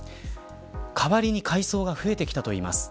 代わりに海藻が増えてきたといいます。